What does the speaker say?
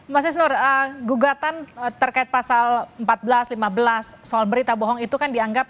mas isnur gugatan terkait pasal empat belas lima belas soal berita bohong itu kan dianggap